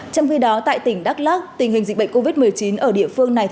trong khi đó tại tỉnh đắk lắc tình hình dịch bệnh covid một mươi chín ở địa phương này